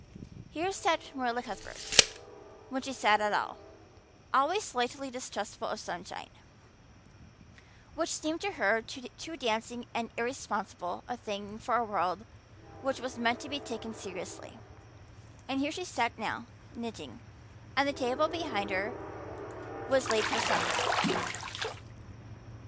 Here sat Marilla Cuthbert, when she sat at all, always slightly distrustful of sunshine, which seemed to her too dancing and irresponsible a thing for a world which was meant to be taken seriously; and here she sat now, knitting, and the table behind her was laid for supper.